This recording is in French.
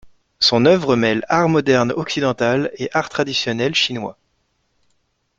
Son œuvre mêle art moderne occidental et art traditionnel chinois.